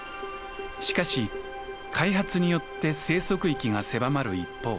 しかし開発によって生息域が狭まる一方